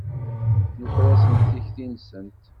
Nuker-asent tikti-nsent.